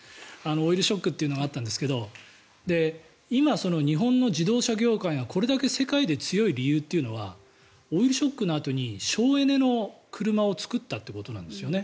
オイルショックっていうのがあったんですけど今、日本の自動車業界がこれだけ世界で強い理由というのはオイルショックのあとに省エネの車を作ったということなんですよね。